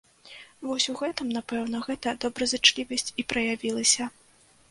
Вось у гэтым, напэўна, гэта добразычлівасць і праявілася.